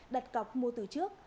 đặt cọc mua từ trước